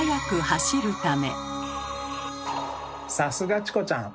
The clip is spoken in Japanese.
さすがチコちゃん！